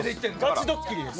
ガチドッキリです。